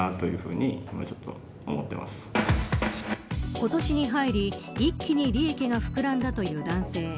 今年に入り、一気に利益が膨らんだという男性。